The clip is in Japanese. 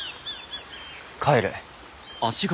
帰る。